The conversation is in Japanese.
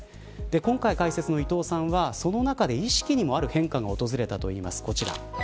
今回、解説の伊藤さんはその中で意識の変化が訪れたといいます。